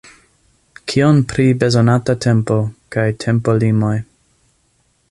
Kion pri bezonata tempo kaj tempolimoj?